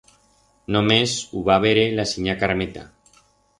Només hu va vere la sinya Carmeta.